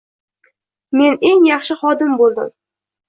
"Men eng yaxshi xodim bo‘ldim.